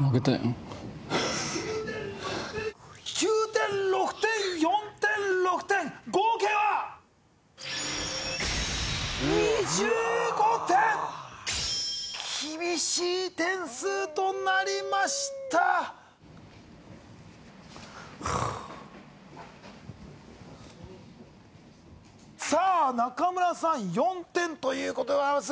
９点６点４点６点合計は２５点厳しい点数となりましたさあ中村さん４点ということでございます